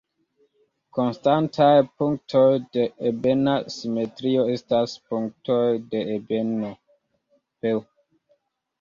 Konstantaj punktoj de ebena simetrio estas punktoj de ebeno "P".